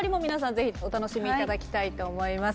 ぜひお楽しみ頂きたいと思います。